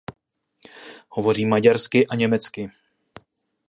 Hovoří maďarsky a německy.